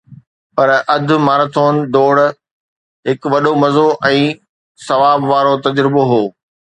پر اڌ مارٿون ڊوڙڻ هڪ وڏو مزو ۽ ثواب وارو تجربو هو